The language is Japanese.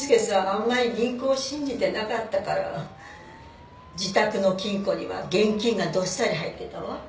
あんまり銀行を信じてなかったから自宅の金庫には現金がどっさり入ってたわ。